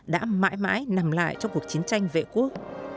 đã mãi mãi nằm lại trong cuộc chiến tranh vệ quốc